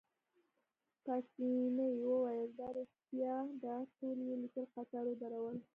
پاسیني وویل: دا ريښتیا ده، ټول يې لیک قطار ودرول.